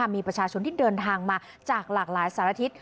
มีประชาชนที่เดินทางมาจากหลากหลายสารทิศ